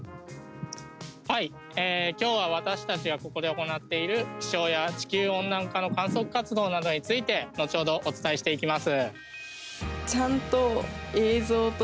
はい、今日は私たちが、ここで行っている気象や地球温暖化の観測活動などについて後ほど、お伝えしていきます。